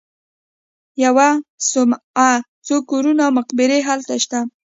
یوه صومعه، څو کورونه او مقبرې هلته شته.